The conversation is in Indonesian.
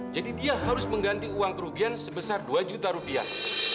jadi dia harus mengganti uang kerugian sebesar dua juta rupiah